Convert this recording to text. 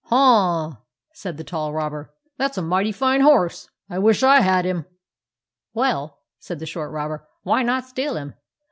" Huh !" said the tall robber. " That 's a mighty fine horse. I wish I had him." " Well," said the short robber, "why not steal him